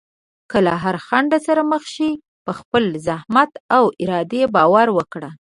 که له هر خنډ سره مخ شې، په خپل زحمت او ارادې باور وکړه.